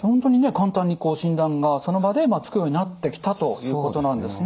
簡単に診断がその場でつくようになってきたということなんですね。